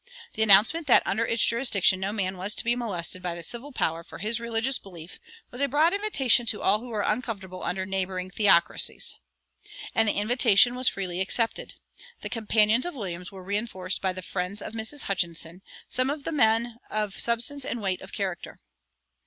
The announcement that under its jurisdiction no man was to be molested by the civil power for his religious belief was a broad invitation to all who were uncomfortable under the neighboring theocracies.[106:1] And the invitation was freely accepted. The companions of Williams were reinforced by the friends of Mrs. Hutchinson, some of them men of substance and weight of character.